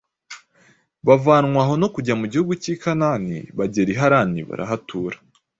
bavanwayo no kujya mu gihugu cy’i Kanani, bagera i Harani barahatura"